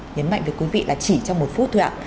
nhấn mạnh với quý vị là chỉ trong một phút thôi ạ